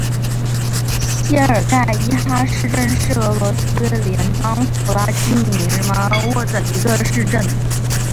谢尔盖伊哈市镇是俄罗斯联邦弗拉基米尔州卡梅什科沃区所属的一个市镇。